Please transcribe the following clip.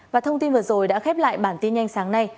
và thông tin vừa rồi đã khép lại bản tin nhanh sáng nay